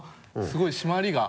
すごい締まりが。